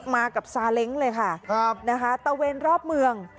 มากับทราเล้งท์ตะเวนรอบเมือง